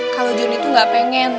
kalau johnny tuh gak pengen